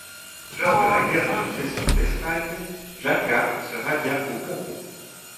Lors de la guerre de succession d'Espagne, Jaca se rallia aux Bourbons.